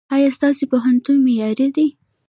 ایا ستاسو پوهنتون معیاري دی؟